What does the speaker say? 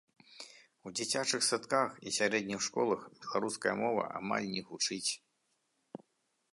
У дзіцячых садках і сярэдніх школах беларуская мова амаль не гучыць.